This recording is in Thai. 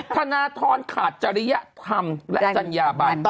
ธนทรขาดจริยธรรมและจัญญาบัน